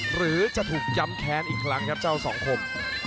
หรือจะถูกย้ำแพ้อีกละครับเจ้าสองโคม